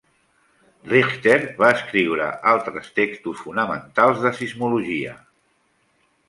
Richter va escriure altres textos fonamentals de sismologia.